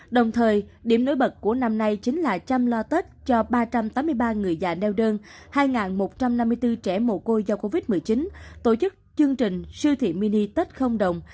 đồng thời điểm nối bật của năm nay chính là chăm lo tết cho ba trăm tám mươi ba người già neo đơn hai một trăm năm mươi bốn trẻ mồ côi do covid một mươi chín tổ chức chương trình siêu thị mini tết không đồng